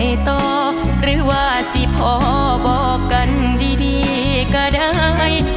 ต่อหรือว่าสิพอบอกกันดีก็ได้